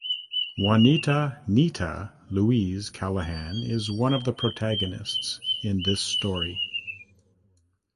Juanita "Nita" Louise Callahan is one of the protagonists in this story.